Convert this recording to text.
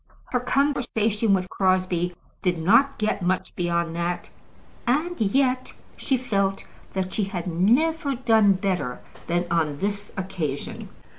Her conversation with Crosbie did not get much beyond that, and yet she felt that she had never done better than on this occasion.